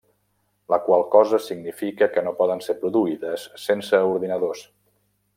La qual cosa significa que no poden ser produïdes sense ordinadors.